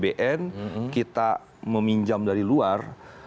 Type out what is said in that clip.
bn kita meminjam dari luar